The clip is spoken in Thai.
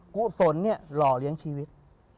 กุศลเนี่ยหล่อเลี้ยงชีวิต